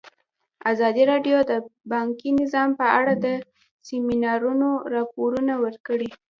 ازادي راډیو د بانکي نظام په اړه د سیمینارونو راپورونه ورکړي.